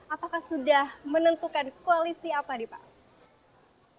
apakah sudah menentukan koalisi apa nih pak